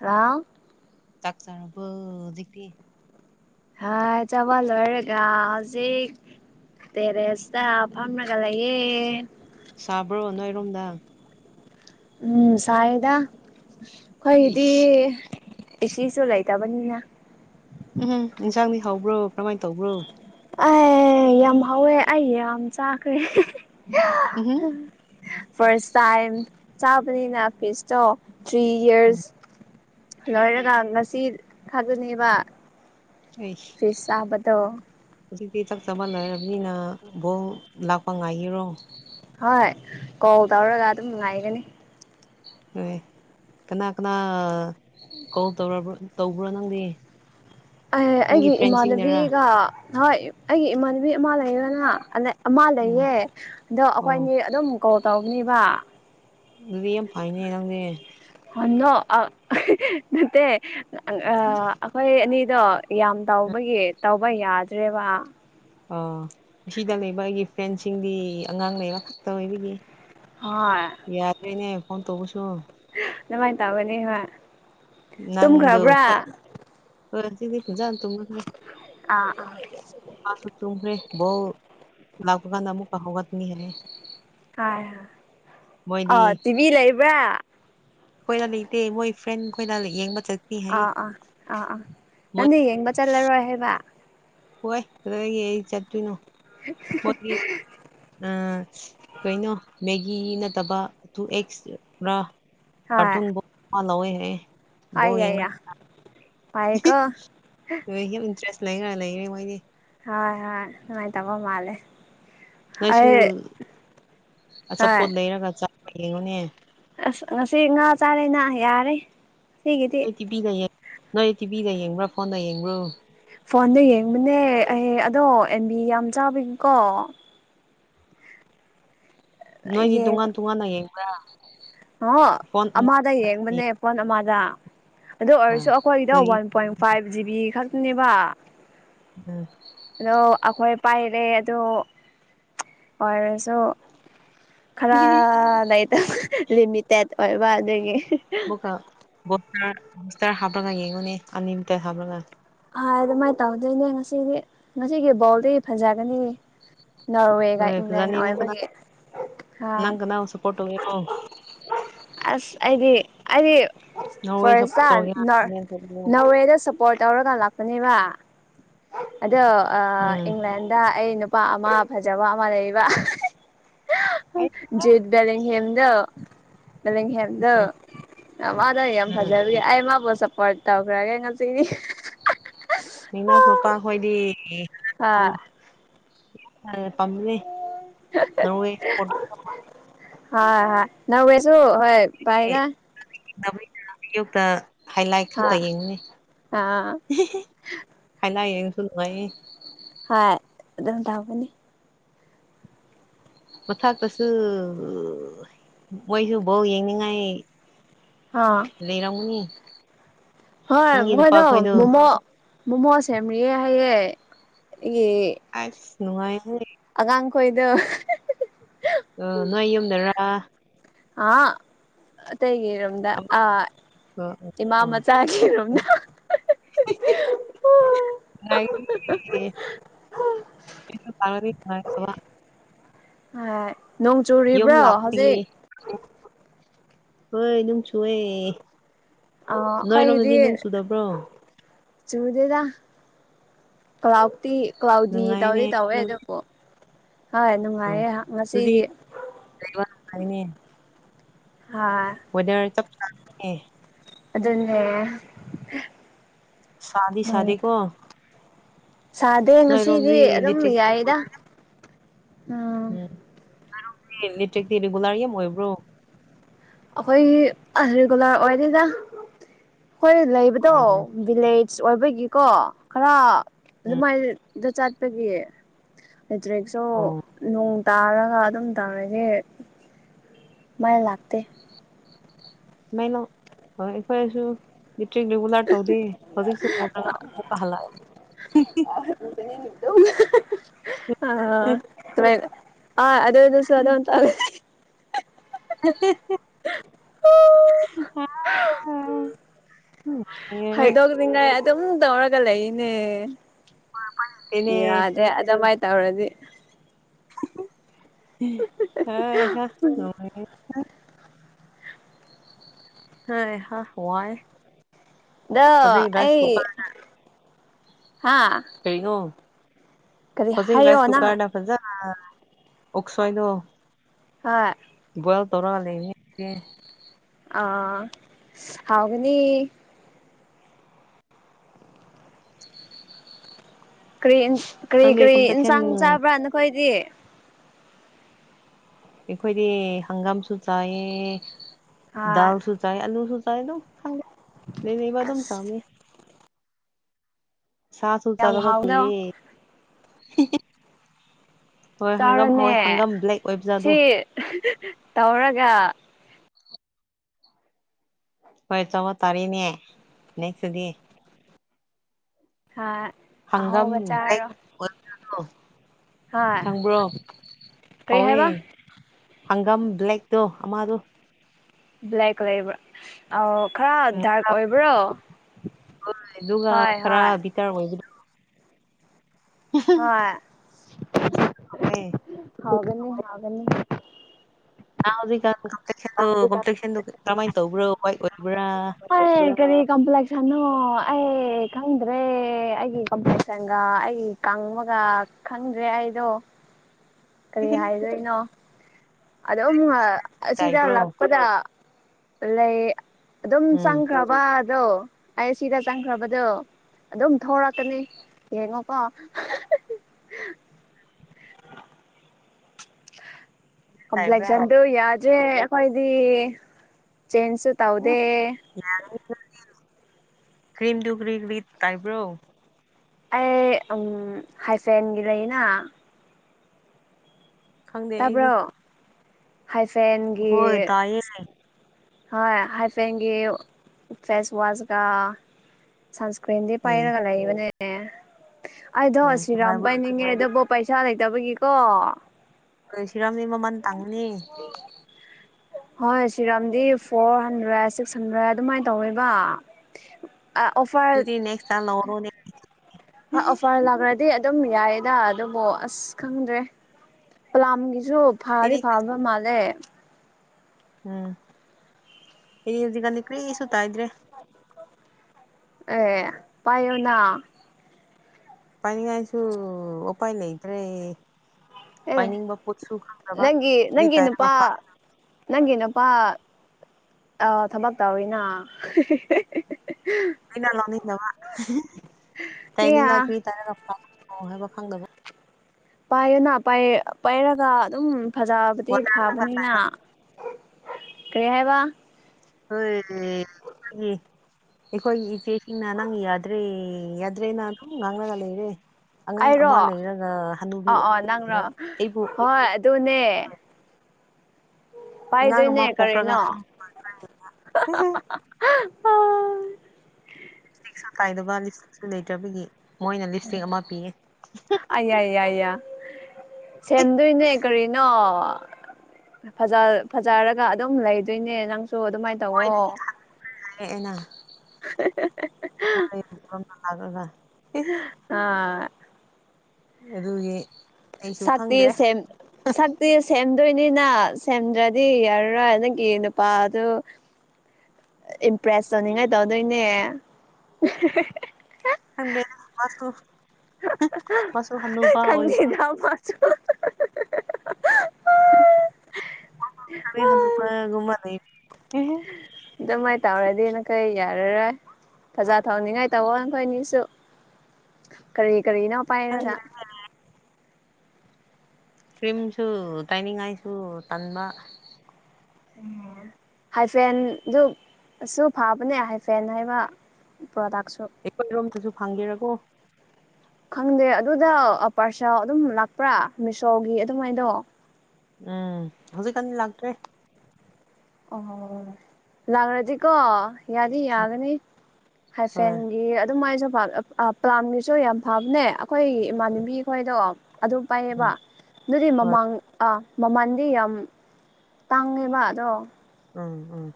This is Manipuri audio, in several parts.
ꯍꯥ [inaudible] ꯆꯥꯛ ꯆꯔꯕꯣ ꯍꯧꯖꯤꯛꯇꯤ ꯍꯥꯏ ꯆꯕ ꯂꯣꯏꯔꯒꯥ ꯍꯧꯖꯤꯛ ꯇꯦꯔꯦꯁꯇ ꯐꯥꯝꯃꯒ ꯂꯩꯌꯦ ꯁꯥꯕ꯭ꯔꯣ ꯅꯣꯢꯔꯣꯝꯗ ꯎꯝ ꯁꯥꯏꯗ ꯑꯩꯈꯣꯏꯗꯤ ꯑꯩꯁ ꯏꯁꯤꯡꯁꯨ ꯂꯩꯇꯕꯅꯤꯅ ꯎꯝꯍꯝ ꯏꯟꯁꯥꯡꯗꯤ ꯍꯥꯎꯕ꯭ꯔꯣ ꯀꯔꯝꯃꯥꯏ ꯇꯧꯕ꯭ꯔꯣ ꯑꯦ ꯌꯥꯝ ꯍꯥꯎꯋꯦ ꯑꯩ ꯌꯥꯝ ꯆꯥꯈ꯭ꯔꯦ ꯎꯝꯍꯨꯝ ꯐꯔꯁ ꯇꯥꯏꯝ ꯆꯥꯕꯅꯤꯅ ꯐꯤꯁ ꯇꯣ ꯊ꯭ꯔꯤ ꯎꯝ ꯌꯔꯁ ꯂꯣꯏꯔꯒ ꯉꯁꯤ ꯈꯖꯅꯦꯕ ꯑꯩꯁ ꯐꯤꯁꯁꯥꯕꯗꯣ ꯍꯧꯖꯤꯛꯇꯤ ꯆꯥꯛ ꯆꯕ ꯂꯣꯔꯕꯅꯤꯅ ꯕꯣꯜ ꯂꯥꯛꯄ ꯉꯥꯏꯒꯤꯔꯣ ꯍꯣꯏ ꯀꯣꯜ ꯇꯧꯔꯒ ꯑꯗꯨꯝ ꯉꯥꯏꯒꯅꯤ ꯍꯣꯢ ꯀꯅꯥ ꯀꯅꯥ ꯀꯣꯜ ꯇꯧ ꯇꯧꯕ꯭ꯔꯣ ꯅꯪꯗꯤ ꯅꯪꯒꯤ ꯑꯩꯒꯤ ꯐ꯭ꯔꯦꯟꯁꯤꯡꯅꯔꯥ ꯏꯃꯥꯟꯅꯕꯤꯒ ꯍꯣꯏ ꯑꯩꯒꯤ ꯏꯃꯥꯟꯅꯕꯤ ꯑꯃ ꯂꯩꯗꯅ ꯑꯃ ꯎꯝ ꯂꯩꯌꯦ ꯑꯗꯣ ꯑꯣ ꯑꯩꯈꯣꯏꯅꯤ ꯑꯗꯨꯝ ꯀꯣꯜ ꯇꯧꯕꯅꯤꯕ ꯑꯗꯨꯗꯤ ꯌꯥꯝ ꯐꯥꯏꯅꯦ ꯅꯪꯗꯤ ꯅꯣ ꯅꯣ ꯅꯠꯇꯦ ꯑꯩꯈꯣꯏ ꯑꯅꯤꯗꯣ ꯌꯥꯝ ꯇꯧꯕꯒꯤ ꯇꯧꯕ ꯌꯥꯗ꯭ꯔꯦꯕ ꯑ ꯁꯤꯗ ꯂꯩꯕ ꯑꯩꯒꯤ ꯐ꯭ꯔꯦꯟꯁꯤꯡꯗꯤ ꯑꯉꯥꯡ ꯂꯩꯕ ꯈꯛꯇ ꯑꯣꯏꯕꯒꯤ ꯍꯣꯏ ꯌꯥꯗꯔꯦꯅꯦ ꯐꯣꯟ ꯇꯧꯕꯁꯨ ꯑꯗꯨꯃꯥꯏꯟ ꯇꯧꯒꯅꯤ ꯍꯣꯏ ꯅꯪꯗꯨ ꯇꯨꯝꯈ꯭ꯔꯕ꯭ꯔꯥ ꯍꯁꯤꯗꯤ ꯐꯖꯅꯥ ꯇꯨꯝꯃꯒꯦ ꯑꯥ ꯃꯥꯁꯨ ꯇꯨꯝꯈ꯭ꯔꯦ ꯕꯣꯜ ꯂꯥꯛꯄ ꯀꯥꯟꯗ ꯑꯃꯨꯛꯀ ꯍꯧꯒꯠꯅꯤ ꯍꯥꯏꯌꯦ ꯃꯣꯏꯗꯤ [unintelligible] ꯇꯤꯚꯤ ꯂꯩꯕ꯭ꯔꯥ ꯑꯩꯈꯣꯏꯗ ꯂꯩꯇꯦ ꯃꯣꯏ ꯐ꯭ꯔꯦꯟ ꯈꯣꯏꯗ ꯌꯦꯡꯕ ꯆꯠ ꯑꯥ ꯑꯥ ꯑꯥ ꯑꯥ ꯅꯪꯗꯤ ꯌꯦꯡꯕ ꯆꯠꯂꯔꯣꯏ ꯍꯥꯏꯕ ꯍꯣꯏ ꯑꯗꯨ ꯑꯩ ꯆꯠꯇꯣꯏꯅꯣ [unintelligible] ꯑꯥ ꯀꯩꯅꯣ ꯃꯦꯒꯤ ꯅꯠꯇꯕ ꯇꯨ ꯑꯦꯛꯁꯔꯥ ꯍꯣꯏ ꯀꯔꯇꯨꯟ ꯕꯨꯛ ꯃꯥ ꯂꯧꯋꯦ ꯍꯥꯏꯌꯦ ꯕꯣꯜ ꯌꯦꯡꯔꯒ [unintelligible] ꯍꯣꯏ ꯌꯥꯝ ꯏꯟꯇꯔꯦꯁ ꯂꯩꯈ꯭ꯔ ꯂꯩꯔꯦ ꯃꯣꯏꯗꯤ ꯍꯣꯏ ꯍꯣꯏ ꯅꯨꯡꯉꯥꯏꯇꯕꯥ ꯃꯥꯜꯂꯦ ꯅꯣꯏꯁꯨ ꯑꯩ ꯍꯣꯏ ꯑꯆꯥꯄꯣꯠ ꯂꯩꯔꯒ ꯆꯥꯕ ꯌꯦꯡꯉꯨꯅꯦ ꯑꯁ ꯉꯁꯤ ꯉꯥ ꯆꯥꯔꯦꯅ ꯌꯥꯔꯦ ꯁꯤꯒꯤꯗꯤ ꯇꯤꯚꯤꯒ ꯌꯦꯡ ꯅꯣꯏ ꯇꯤꯚꯤꯒ ꯌꯦꯡꯕ꯭ꯔꯥ ꯐꯣꯟꯗ ꯌꯦꯡꯕ꯭ꯔꯣ ꯐꯣꯟꯗ ꯌꯦꯡꯕꯅꯦ ꯑꯩ ꯑꯗꯣ ꯑꯦꯝ ꯕꯤ ꯌꯥꯝ ꯆꯥꯕꯒꯤꯀꯣ ꯅꯣꯏꯗꯤ ꯇꯣꯉꯥꯟ ꯇꯣꯉꯥꯟꯅ ꯌꯦꯡꯕ꯭ꯔꯥ ꯅꯣ ꯐꯣꯟ ꯑꯃ ꯑꯃꯥꯗ ꯌꯦꯡꯕꯅꯦ ꯐꯣꯟ ꯑꯃꯗ ꯑꯗꯨ ꯌꯦꯡꯕ꯭ꯔꯥ ꯑꯣꯏꯔꯁꯨ ꯑꯩꯈꯣꯏꯒꯤꯗꯣ ꯑꯗꯨꯒꯤ ꯋꯥꯟ ꯄꯣꯏꯟ ꯐꯥꯏꯚ ꯖꯤꯕꯤ ꯈꯛꯇꯅꯦꯕ ꯎꯝ ꯑꯗꯣ ꯑꯩꯈꯣꯏ ꯄꯥꯏꯔꯦ ꯑꯗꯣ ꯑꯣꯏꯔꯁ ꯑꯣ ꯈꯔ ꯂꯩꯇꯕ ꯂꯤꯃꯤꯇꯦꯠ ꯑꯣꯏꯕ ꯑꯗꯨꯒꯤ ꯑꯃꯨꯛꯀ ꯕꯣꯁꯇꯔ ꯕꯣꯁꯇꯔ ꯍꯥꯞꯄ꯭ꯔꯒ ꯌꯦꯡꯉꯨꯅꯦ ꯑꯟꯂꯤꯃꯤꯇꯦꯠ ꯍꯥꯞꯔꯒ ꯑ ꯑꯗꯨꯃꯥꯏꯅ ꯇꯧꯗꯣꯏꯅꯦ ꯉꯁꯤꯗꯤ ꯉꯁꯤꯒꯤ ꯕꯣꯜꯗꯤ ꯐꯖꯒꯅꯤ ꯅꯣꯔꯋꯦꯒ ꯍꯣꯏ ꯏꯪꯂꯦꯟ ꯐꯖꯅꯤ ꯅꯪ ꯀꯅꯥ ꯑꯣꯏꯕꯒꯤ ꯑ ꯅꯪ ꯀꯅꯥꯕꯨ ꯁꯞꯄꯣꯔꯠ ꯇꯧꯒꯦꯔꯣ ꯑꯁ ꯑꯩꯗꯤ ꯑꯩꯗꯤ ꯅꯣꯔꯋꯦ ꯁꯞꯄꯣꯔꯠ ꯐꯥꯔꯁꯇ ꯇꯧꯒꯦꯔ ꯅꯣꯔ ꯅꯣꯔꯋꯦꯗ ꯁꯄꯣꯔꯠ ꯇꯧꯔꯒ ꯂꯥꯛꯄꯅꯦꯕ ꯑꯗꯣ ꯑꯥ ꯎꯝ ꯏꯪꯂꯦꯟꯗ ꯑꯩ ꯅꯨꯄꯥ ꯑꯃ ꯐꯖꯕ ꯑꯃ ꯂꯩꯕ ꯑꯩ ꯖꯨꯠ ꯕꯂꯦꯡꯍꯦꯝ ꯗꯣ ꯕꯂꯦꯡꯍꯦꯝ ꯑꯗꯨ ꯎꯝ ꯃꯗꯣ ꯌꯥꯝ ꯎꯝ ꯐꯖꯕꯒꯤ ꯑꯩ ꯃꯥꯕꯨ ꯁꯞꯄꯣꯔꯠ ꯇꯧꯈ꯭ꯔꯒꯦ ꯉꯁꯤꯗꯤ ꯍꯣꯏ ꯍꯣꯏ [unintelligible] [unintelligible] ꯍ ꯍ ꯉꯝꯔꯁꯨꯨ ꯍꯣꯏ ꯐꯩꯗ ꯩ [unintelligible] ꯍꯥꯏꯂꯥꯛ ꯈꯛꯇ ꯍꯣꯏ ꯌꯦꯡꯉꯅꯦ ꯑꯥ ꯍꯥꯏ ꯂꯥꯏ ꯌꯦꯡꯁꯨ ꯅꯨꯡꯉꯥꯏꯌꯦ ꯍ ꯑꯗꯨꯝ ꯇꯧꯕꯅꯤ ꯃꯊꯛꯇꯁꯨ ꯃꯣꯏꯁꯨ ꯕꯣꯜ ꯌꯦꯡꯅꯤꯡꯉꯥꯏ ꯑꯥ ꯂꯩꯔꯝꯒꯅꯤ ꯍꯣꯏ ꯅꯪꯒꯤ ꯃꯈꯣꯏꯗꯣ ꯅꯨꯄꯥꯈꯣꯏꯗꯣ ꯃꯣꯃꯣ ꯃꯣꯃꯣ ꯁꯦꯝꯔꯤꯌꯦ ꯍꯥꯏꯌꯦ ꯑꯩꯒꯤ ꯑꯁ ꯅꯨꯡꯉꯥꯏꯍꯦ ꯑꯉꯥꯡꯈꯣꯏꯗꯣ ꯑ ꯅꯣꯏ ꯌꯨꯝꯗꯔ ꯑ ꯑꯇꯩꯒꯤꯔꯣꯝꯗ ꯑ ꯑꯥ ꯏꯃꯥ ꯑꯥ ꯃꯆꯥꯒꯤꯔꯣꯝꯗ ꯍꯣꯏ [unintelligible] ꯅꯣꯡ ꯌꯨꯝ ꯆꯨꯔꯤꯕ꯭ꯔꯣ ꯂꯥꯛꯄꯒꯤ ꯍꯧꯖꯤꯛ ꯍꯣꯏ ꯅꯨꯡꯆꯨꯌꯦ ꯑ ꯈꯣꯏꯒꯤꯗꯤ ꯆꯨꯗꯕ꯭ꯔꯣ ꯆꯨꯗꯦꯗ ꯀ꯭ꯂꯥꯎ ꯀꯂꯥꯎꯗꯤ ꯅꯨꯡꯉꯥꯏꯅꯦ ꯇꯥꯎꯗꯤ ꯇꯧꯋꯦ ꯑꯣ ꯑꯗꯨꯕꯨ ꯍꯣꯏ ꯅꯨꯡꯉꯥꯏꯌꯦ ꯑꯗꯨꯗꯤ ꯉꯁꯤꯗꯤ ꯂꯩꯕ ꯅꯨꯡꯉꯥꯏꯅꯦ ꯍꯥ ꯋꯦꯗꯔ ꯆꯞ ꯆꯥꯌꯦ ꯑꯗꯨꯅꯦ ꯁꯥꯗꯤ ꯅꯣꯡ ꯁꯥꯗꯦ ꯀꯣ ꯁꯥꯗꯦ ꯉꯁꯤꯗꯤ ꯑꯗꯨꯝ ꯏꯂꯦꯛꯇ꯭ꯔꯤꯛ ꯌꯥꯏꯗ ꯎꯝ ꯎꯝ ꯅꯦꯇ꯭ꯔꯤꯛꯇꯤ ꯔꯤꯒꯨꯂꯔ ꯌꯥꯝ ꯑꯣꯏꯕ꯭ꯔꯣ ꯑꯩꯈꯣꯏꯒꯤ ꯑꯁ ꯔꯤꯒꯨꯂꯔ ꯑꯣꯏꯗꯦꯗ ꯑꯩꯈꯣꯏ ꯂꯩꯕꯗꯣ ꯑꯣ ꯚꯤꯂꯦ ꯑꯣꯏꯕꯒꯤꯀꯣ ꯈꯔ ꯎꯝ ꯑꯗꯨꯃꯥꯏꯗ ꯆꯠꯄꯒꯤ ꯑꯦꯇ꯭ꯔꯤꯛꯁꯨ ꯑꯣ ꯅꯣꯡ ꯇꯥꯔꯒ ꯑꯗꯨꯝ ꯇꯧꯔꯗꯤ ꯃꯥꯏ ꯂꯥꯛ ꯇꯦ ꯃꯩꯅꯣ ꯍꯣꯏ ꯑꯩꯈꯣꯏꯁꯨ ꯃꯦꯇ꯭ꯔꯤꯛ ꯔꯤꯒꯨꯂꯔ ꯇꯧꯗꯦ ꯍꯧꯖꯤꯛꯁꯨ ꯃꯗꯒ ꯑꯃ ꯍꯜꯂꯛꯑꯦ ꯗꯨꯝ ꯑ ꯑ ꯑꯗꯨꯗꯨꯁꯨ ꯑꯗꯨꯝ ꯍꯥꯏ ꯎꯝ ꯆꯅꯤꯡꯉꯥꯏ ꯑꯗꯨꯝ ꯇꯧꯔꯒ ꯂꯩꯅꯦ ꯌꯥꯗꯦ ꯑꯗꯨꯃꯥꯏꯅ ꯇꯧꯔꯗꯤ ꯍꯣꯏ ꯍ ꯍꯥꯏ ꯍ ꯋꯥꯏꯌꯦ ꯗꯣ ꯑꯩ ꯀꯨꯀꯔ ꯍꯥ ꯀꯩꯅꯣ ꯀꯔꯤ ꯍꯧꯖꯤꯛ ꯍꯥꯏꯌꯣ ꯔꯥꯏꯁ ꯅꯪ ꯀꯨꯀꯔꯅ ꯐꯖꯥꯅ ꯑꯣꯛꯁꯣꯏꯗꯣ ꯍꯥ ꯕꯣꯏꯜ ꯇꯧꯔ ꯂꯩꯕꯅꯦ ꯑ ꯍꯥꯎꯒꯅꯤ ꯀꯔꯤ- ꯀꯔꯤ- ꯈꯪꯗꯦ ꯀꯔꯤ ꯀꯝꯄ꯭ꯂꯦꯛꯁꯟ ꯏꯟꯁꯥꯡ ꯆꯥꯕ꯭ꯔ ꯅꯈꯣꯏꯗꯤ ꯑꯩꯈꯣꯏꯗꯤ ꯍꯪꯒꯥꯝꯁꯨ ꯆꯥꯏꯌꯦ ꯍꯣꯏ ꯗꯥꯜꯁꯨ ꯆꯥꯏ ꯑꯂꯨꯁꯨ ꯆꯥꯏ ꯑꯗꯨꯝ ꯈꯪꯗꯦ ꯂꯩ ꯂꯩꯩꯕ ꯑꯗꯨꯝ ꯑꯁ ꯆꯥꯝꯃꯦ ꯁꯥ ꯁꯜ ꯌꯥꯝ ꯆꯥꯗꯕ ꯀꯦ ꯍꯥꯎꯅ ꯍꯣꯏ ꯍꯪꯒꯝ ꯍꯣꯏ ꯆꯥꯔꯣꯅꯦ ꯍꯪꯒꯥꯝ ꯕ꯭ꯂꯦꯛ ꯑꯣꯏꯕꯖꯥꯗꯣ ꯁꯤ ꯇꯧꯔꯒ ꯍꯣꯏ ꯆꯕ ꯇꯥꯔꯦꯅꯤ ꯅꯦꯛꯁ ꯗꯗꯤ ꯍꯥ ꯍꯪꯒꯥꯝ ꯑꯍꯥꯎꯕ ꯆꯥꯔꯣ [unintelligible] ꯍꯣꯏ ꯈꯪꯕ꯭ꯔꯣ ꯀꯔꯤ ꯍꯥꯎꯋꯦ ꯍꯥꯏꯕ ꯍꯪꯒꯥꯝ ꯕ꯭ꯂꯦꯛꯇꯣ ꯑꯃꯗꯣ ꯕ꯭ꯂꯦꯛ ꯀꯂꯩꯕ꯭ꯔ ꯑꯧ ꯈꯔ ꯗꯥꯔꯛ ꯑꯣꯏꯕ꯭ꯔꯣ ꯍꯣꯏ- ꯍꯣꯏ ꯗꯥꯔꯛ ꯑꯣꯏꯕꯗꯣ ꯍꯣꯏ [inaudible] ꯍꯥꯎꯒꯅꯨ ꯍꯥꯎꯒꯅꯤ ꯅꯍ ꯍꯧꯖꯤꯛꯀꯥꯟ ꯀꯃꯥꯏꯅ ꯇꯧꯕ꯭ꯔꯣ ꯍꯏ ꯑꯣꯏꯕ꯭ꯔꯥ ꯍ ꯀꯔꯤ ꯀꯝꯄ꯭ꯂꯦꯛꯁꯟꯅꯣ ꯑꯩ ꯈꯪꯗ꯭ꯔꯦ ꯑꯩꯒꯤ ꯀꯝꯄ꯭ꯂꯦꯛꯁꯟꯒ ꯑꯩꯒꯤ ꯀꯪꯕꯒ ꯈꯪꯗ꯭ꯔꯦ ꯑꯩꯗꯣ ꯀꯔꯤ ꯍꯥꯏꯗꯣꯏꯅꯣ ꯑꯗꯨꯝ ꯑꯁꯤꯗ ꯇꯥꯏꯕ꯭ꯔꯣ ꯂꯥꯛꯄꯗ ꯂꯩ ꯑꯗꯨꯝ ꯎꯝ ꯆꯪꯈ꯭ꯔ ꯋꯥꯗꯣ ꯑꯩ ꯁꯤꯗ ꯆꯪꯈ꯭ꯔꯕꯗꯣ ꯑꯗꯨꯝ ꯊꯧꯔꯛꯀꯅꯤ ꯌꯦꯡꯉꯣꯀꯣ [inaudible] ꯇꯥꯏꯕ꯭ꯔꯥ ꯀꯕ꯭ꯂꯦꯛꯁꯟ ꯌꯥꯗꯦꯗꯤ ꯆꯦꯟꯁꯁꯨ ꯎꯝ ꯇꯥꯎꯗꯦ [unintelligible] ꯑꯩ ꯍꯥꯏꯐꯦꯟꯒꯤ ꯂꯩꯅ ꯈꯪꯗꯦ ꯑꯩꯗꯤ ꯇꯥꯕ꯭ꯔꯣ ꯍꯥꯏꯐꯦꯟꯒꯤ ꯍꯣꯏ ꯇꯥꯏꯌꯦ ꯍꯣꯏ ꯍꯥꯏꯐꯦꯟꯒꯤ ꯐꯦꯁꯋꯥꯁꯀ ꯁꯟꯁꯀ꯭ꯔꯤꯟꯗꯤ ꯎꯝ ꯄꯥꯏꯔꯒ ꯂꯩꯕꯅꯦ ꯑꯩꯗꯣ ꯍꯣꯏ ꯁꯤꯔꯥꯝ ꯅꯨꯡꯉꯥꯏꯕ꯭ꯔꯣ ꯄꯥꯏꯅꯤꯡ ꯅꯤꯡꯉꯦ ꯑꯗꯨꯕꯨ ꯄꯩꯁꯥ ꯂꯩꯇꯕꯒꯤꯀꯣ ꯀꯩ ꯁꯤꯔꯝꯅꯤ ꯃꯃꯜ ꯇꯥꯡꯕꯅꯤ ꯍꯣꯏ ꯁꯤꯔꯝꯗꯤ ꯐꯣꯔ ꯍꯟꯗ꯭ꯔꯦꯠ ꯁꯤꯛꯁ ꯍꯟꯗ꯭ꯔꯦꯠ ꯑꯗꯨꯃꯥꯏꯅ ꯇꯧꯌꯦꯕ ꯑ ꯑꯣꯐ ꯗꯨꯗꯤ ꯅꯦꯛꯁ ꯇꯜ ꯅꯧꯔꯣ ꯅ ꯍ ꯑꯣꯐꯔ ꯂꯥꯛꯈ꯭ꯔꯗꯤ ꯑꯗꯨꯝ ꯌꯥꯏꯗ ꯑꯗꯨꯕꯨ ꯑꯁ ꯈꯪꯗ꯭ꯔꯦ ꯄꯂꯥꯝꯒꯤꯁꯨ ꯐꯥꯗꯤ ꯑꯩꯗꯤ ꯐꯥꯕ ꯃꯥꯜꯂꯦ ꯎꯝ ꯏꯗꯤ ꯍꯧꯖꯤꯛꯀꯅꯤ ꯀꯔꯤꯁꯨ ꯇꯥꯏꯗ꯭ꯔꯦ ꯑꯦ ꯄꯥꯏꯌꯣꯅꯥ ꯄꯥꯏꯅꯤꯡꯉꯥꯏꯁꯨ ꯎꯄꯥꯏ ꯂꯩꯈ꯭ꯔꯦ ꯑꯦ ꯄꯥꯏꯅꯤꯡꯕ ꯄꯣꯠꯁꯨ ꯈꯪꯗꯕ ꯅꯪꯒꯤ ꯅꯪꯒꯤ ꯇꯥꯏꯔꯒ ꯅꯨꯄꯥ ꯅꯪꯒꯤ ꯅꯨꯄꯥ ꯑ ꯊꯕꯛ ꯇꯧꯋꯤꯅ ꯍ [unintelligible] ꯄꯥꯏꯌꯨꯅ ꯄꯥꯏꯔꯒ ꯑꯗꯨꯝ ꯐꯖꯕꯗꯤ ꯋꯥꯇꯔ ꯐꯕꯅꯤꯅ ꯀꯩ ꯍꯥꯏꯕ ꯍꯣꯏ ꯑꯩꯈꯣꯏ ꯏꯆꯦ ꯏ ꯅꯅꯥꯪ ꯌꯥꯗ꯭ꯔꯦ ꯌꯥꯗ꯭ꯔꯦ ꯅ ꯉꯥꯡꯥꯒꯂ ꯏꯔꯦ ꯑꯉꯥꯡ ꯑꯃ ꯑꯩꯔꯣ ꯂꯩꯔꯒ ꯍꯅꯨꯕꯤ ꯑꯣꯏꯅꯤꯅ ꯑꯩꯕꯨ ꯗꯨꯅꯦ ꯑꯉꯥꯡ ꯑꯃ ꯄꯥꯏꯗꯣꯏꯅꯦ ꯄꯣꯛꯈ꯭ꯔꯒ ꯀꯔꯤꯅꯣ ꯄꯩꯁꯥ ꯀꯥꯏꯗꯕ ꯂꯤꯞ ꯏꯁꯇꯤꯛꯁꯨ ꯂꯩꯇ꯭ꯔꯕꯒꯤ ꯃꯣꯏꯅ ꯂꯤꯞ ꯏꯁꯇꯤꯛ ꯑꯃ ꯄꯤꯌꯦ ꯑ ꯌꯥꯏ ꯌꯥꯏ ꯌꯥꯏ ꯁꯦꯝꯗꯣꯏꯅꯦ ꯀꯔꯤꯅꯣ ꯐꯖꯔꯒ ꯑꯗꯨꯝ ꯂꯩꯗꯣꯏꯅꯦ ꯅꯪꯁꯨ ꯑꯗꯨꯃꯥꯏꯅ ꯍꯣꯏ ꯇꯧꯋꯣ ꯂꯦꯅ ꯍ ꯂꯒ ꯑ ꯑꯗꯨꯒꯤ ꯑꯩꯁꯨ ꯁꯛꯇꯤ ꯈꯪꯗ꯭ꯔꯦ ꯁꯦꯝ ꯁꯛꯇꯤ ꯁꯦꯝꯗꯣꯏꯅꯤꯅ ꯁꯦꯝꯗ꯭ꯔꯗꯤ ꯌꯥꯔꯔꯣꯏ ꯅꯪꯒꯤ ꯅꯨꯄꯥꯗꯨ ꯏꯝꯄ꯭ꯔꯦꯁ ꯇꯧꯅꯤꯡꯉꯥꯏ ꯇꯧꯗꯣꯏꯅꯦ [unintelligible] ꯃꯥꯁꯨ ꯍꯅꯨꯕ ꯑꯣꯏꯈ꯭ꯔꯦ ꯈꯪꯗꯦꯗ ꯃꯥꯁ ꯑ ꯍꯗ ꯨꯃ ꯂꯩ ꯑꯗꯨꯃꯥꯏꯅ ꯇꯧꯔꯗꯤ ꯅꯪꯈꯩ ꯌꯥꯔꯔꯣꯏ ꯐꯖꯥ ꯊꯧꯅꯤꯡꯉꯥꯏ ꯇꯧꯋꯣ ꯅꯈꯣꯏꯅꯤꯁꯨ ꯀꯔꯤ ꯀꯔꯤꯅꯣ ꯄꯥꯏꯔꯗ ꯈꯪꯗ꯭ꯔꯦ ꯀ꯭ꯔꯤꯝꯁꯨ ꯇꯥꯏꯅꯤꯡꯉꯥꯏꯁꯨ ꯇꯟꯕ ꯑꯣ ꯍꯥꯏꯐꯦꯟꯗꯨꯁꯨꯨ ꯐꯕꯅꯦ ꯍꯥꯏꯐꯦꯟ ꯍꯥꯏꯕ ꯄ꯭ꯔꯣꯗꯛꯥꯛꯁꯨ ꯑꯩꯈꯣꯏꯔꯣꯝꯗꯁꯨ ꯐꯪꯒꯦꯔꯀꯣ ꯈꯪꯗꯦ ꯑꯗꯨꯗ ꯄꯥꯔꯁꯥ ꯑꯗꯨꯝ ꯂꯥꯛꯄ꯭ꯔꯥ ꯃꯤꯁꯣꯒꯤ ꯑꯗꯨꯃꯥꯏꯗꯣ ꯎꯝ ꯍꯧꯖꯤꯛꯀꯅꯤ ꯂꯥꯛꯇ꯭ꯔꯦ ꯑꯣ ꯂꯪꯔꯥꯖꯤ ꯀꯣ ꯌꯥꯗꯤ ꯌꯥꯒꯅꯤ ꯍꯣꯏ ꯍꯥꯏꯐꯦꯟꯒꯤ ꯑꯗꯨꯝ ꯃꯥꯏ ꯁꯣꯐꯥ ꯗꯣ ꯄ꯭ꯂꯥꯥꯟꯒꯤꯁꯨ ꯌꯥꯝ ꯐꯕꯅꯦ ꯑꯩꯈꯣꯏ ꯏꯃꯥꯟꯅꯕꯤ ꯈꯣꯏꯗꯣ ꯑꯗꯨꯝ ꯎꯝ ꯄꯥꯏꯌꯦꯕ ꯑꯗꯨꯗꯤ ꯍꯣꯏ ꯃꯃꯥꯡ ꯑ ꯃꯃꯜꯗꯤ ꯌꯥꯝ ꯇꯥꯡꯉꯦꯕ ꯑꯗꯣ ꯎꯝ ꯎꯝ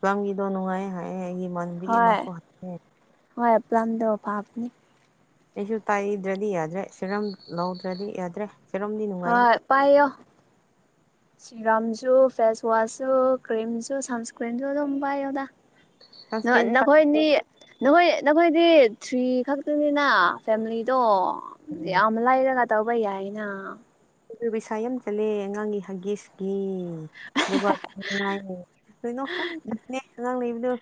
ꯐꯄꯥꯝꯒꯤꯗꯣ ꯅꯨꯡꯉꯥꯏ ꯍꯥꯏꯑꯦ ꯑꯩꯒꯤ ꯃꯥꯟꯕꯤꯒꯤ ꯍꯣꯏ ꯃꯁꯨ ꯍ ꯍꯣꯏ ꯄ ꯂꯝꯂꯝꯗꯣ ꯐꯥꯕꯅꯦ ꯑꯩꯁꯨ ꯇꯥꯏꯗ꯭ꯔꯗꯤ ꯌꯥꯗ꯭ꯔꯦ ꯁꯦꯔꯝ ꯂꯧꯗ꯭ꯔꯗꯤ ꯌꯥꯗ꯭ꯔꯦ ꯁꯦꯔꯝꯗꯤ ꯅꯨꯡꯉꯥꯏꯌꯦ ꯍꯣꯏ ꯄꯥꯏꯌꯣ ꯁꯤꯔꯝꯁꯨ ꯐꯦꯁ ꯋꯥꯁꯁꯨ ꯀ꯭ꯔꯤꯝꯁꯨ ꯁꯟꯁꯀ꯭ꯔꯤꯝꯁꯨ ꯑꯗꯨꯝ ꯄꯥꯏꯌꯣꯗꯥ ꯁꯟꯁꯀ꯭ꯔꯤꯟ ꯅꯈꯣꯏꯅꯤ ꯅꯈꯣꯏ ꯅꯈꯣꯏꯗꯤ ꯊ꯭ꯔꯤ ꯈꯛꯇꯅꯤꯅ ꯐꯦꯃꯤꯂꯤꯗꯣ ꯌꯥꯝ ꯂꯔꯒ ꯇꯕꯥ ꯌꯥꯏꯅ ꯎ ꯄꯩꯁꯥ ꯌꯥꯝ ꯆꯠꯂꯦ ꯑꯉꯥꯡꯒꯤ ꯍꯥꯒꯤꯁꯀꯤ ꯑꯗꯨꯒꯅꯨꯡꯉ ꯀꯩꯅꯣ ꯌꯥꯝ ꯆꯪꯉ ꯑꯉꯥꯡ ꯂꯩꯕꯗꯣ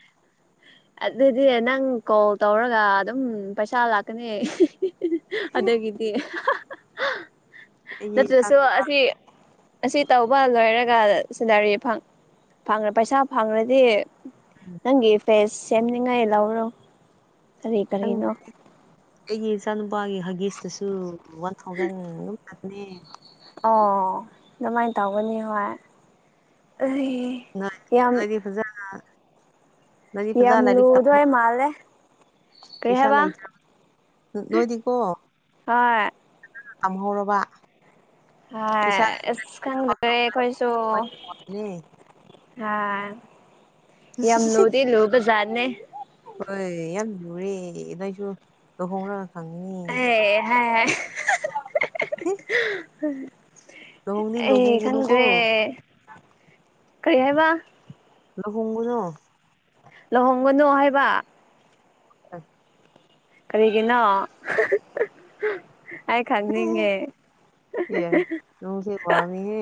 ꯑꯗꯨꯗꯤ ꯅꯪ ꯀꯣꯜ ꯇꯧꯔꯒ ꯑꯗꯨꯝ ꯄꯩꯁꯥ ꯂꯥꯛꯀꯅꯤ ꯑꯗꯒꯤꯗꯤ ꯑꯩꯒꯤ ꯅꯠꯇ꯭ꯔꯁꯨ ꯑꯁꯤ ꯑꯁꯤ ꯇꯧꯕ ꯂꯣꯏꯔꯒ ꯁꯦꯂꯔꯤ ꯐꯦ ꯄꯩꯁꯥ ꯐꯪꯂꯗꯤ ꯎꯝ ꯅꯪꯒꯤ ꯐꯦꯁ ꯁꯦꯝꯅꯤꯉꯥꯏ ꯂꯧꯔꯣ ꯀꯔꯤ ꯀꯔꯤꯅꯣ ꯑꯩꯒꯤ ꯏꯆꯥꯅꯨꯄꯥꯒꯤ ꯍꯒꯤꯁꯇꯁꯨ ꯋꯥꯟ ꯊꯥꯎꯖꯟ ꯑꯗꯨꯝ ꯎ ꯑꯣ ꯑꯗꯨꯃꯥꯏꯅ ꯇꯧꯒꯅꯤ ꯍꯣꯏ ꯑꯦ ꯉ ꯐ꯭ꯔꯖꯥ ꯉꯔꯤ ꯌꯥꯝ ꯐ꯭ꯔꯖꯥ ꯂꯥꯏꯔꯤꯛ ꯇꯃ ꯂꯨꯗꯣꯏ ꯃꯥꯜꯂꯦ ꯀꯔꯤ ꯄꯩꯁꯥ ꯍꯥꯏꯕ ꯂꯩꯇ꯭ꯔ ꯅꯣꯏꯗꯤꯀꯣ ꯍꯣꯏ꯫ ꯇꯥꯝꯍꯧꯔꯣꯕ ꯍ ꯑꯁ ꯈꯪꯗꯔꯦ ꯑꯩꯈꯣꯏꯁꯨ ꯂꯣꯏꯅ ꯇꯧꯔꯦ ꯍꯥꯥ ꯌꯥꯝ ꯌꯥꯝ ꯂꯨꯗꯤ ꯂꯨꯕ ꯖꯠꯅꯦ ꯍꯣꯏ ꯌꯥꯝ ꯂꯨꯔꯦ ꯅꯣꯏꯁꯨ ꯂꯨꯍꯣꯡꯂꯒ ꯑꯦ ꯈꯪꯉꯤꯅꯤ ꯍꯥꯏ [unintelligible] ꯍ [unintelligible] ꯑꯩ ꯂꯨꯍꯣꯡꯒꯅꯨꯀꯣ ꯈꯪꯗ꯭ꯔꯦ ꯀꯔꯤ ꯍꯥꯏꯕ ꯂꯨꯍꯣꯡꯕꯗꯣ ꯂꯨꯍꯣꯡꯒꯅꯨ ꯍꯥꯏꯕ ꯑ ꯀꯔꯤꯒꯤꯅꯣ ꯑꯩ ꯈꯪꯅꯤꯡꯉꯦ ꯌꯥꯏ ꯅꯪꯁꯦ ꯋꯥꯃꯤꯍꯦ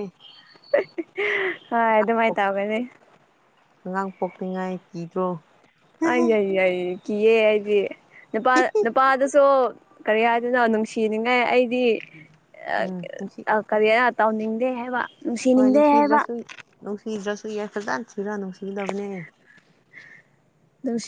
ꯍꯣꯏ ꯑꯗꯨꯃꯥꯏꯅ ꯇꯧꯒꯅꯤ ꯑꯉꯥꯡ ꯄꯣꯛꯇꯉꯥꯏ ꯀꯤꯗ꯭ꯔꯣ ꯎꯝ ꯀꯌꯦꯗꯤ ꯅꯨꯄꯥ ꯅꯨꯄꯥꯗꯁꯨ ꯀꯔꯤ ꯍꯥꯏꯗꯣꯏꯅꯣ ꯅꯨꯡꯁꯤꯅꯤꯡꯉꯥꯏ ꯑꯩꯗꯤ ꯅꯨꯡꯁꯤ ꯀꯔꯤꯔ ꯇꯧꯅꯤꯡꯗꯦ ꯍꯥꯏꯕ ꯍꯣꯏ ꯅꯨꯡꯁꯤꯅꯤꯡꯗꯦ ꯍꯥꯏꯕ ꯅꯨꯡꯁꯤꯗ꯭ꯔꯁꯨ ꯅꯨꯡꯁꯤꯗ꯭ꯔꯁꯨ ꯌꯥꯏ ꯐꯖꯅ ꯊꯤꯔ ꯅꯨꯡꯁꯤꯒꯗꯕꯅꯦ ꯅꯨꯡꯁꯤ